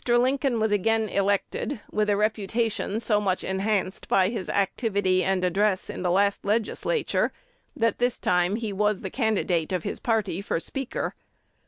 Lincoln was again elected, with a reputation so much enhanced by his activity and address in the last Legislature, that this time he was the candidate of his party for speaker.